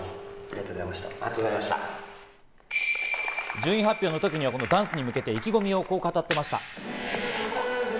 順位発表の時にはダンスに向けて意気込みをこう語っていました。